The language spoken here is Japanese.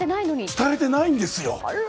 伝えてないんですよ。